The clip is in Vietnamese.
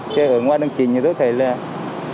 thế ở ngoan đường chính thì có cả chủ công an đi hòm sờ đi phạt